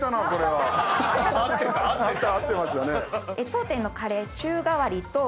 当店のカレー。